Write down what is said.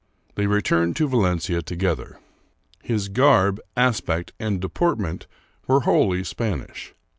They returned to Valencia to gether. His garb, aspect, and deportment were wholly Spanish.